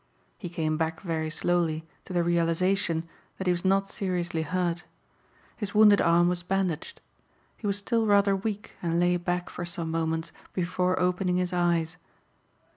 He came back very slowly to the realization that he was not seriously hurt. His wounded arm was bandaged. He was still rather weak and lay back for some moments before opening his eyes.